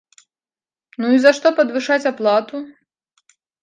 Ну і за што падвышаць аплату?